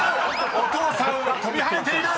［お父さんは跳びはねている！］